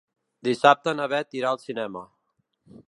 Dissabte na Beth irà al cinema.